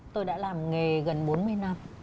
tôi đã làm nghề gần bốn mươi năm